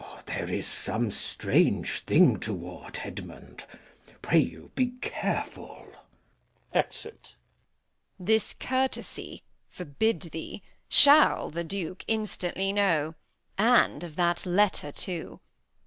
There is some strange thing toward, Edmund. Pray you be careful. Exit. Edm. This courtesy, forbid thee, shall the Duke Instantly know, and of that letter too.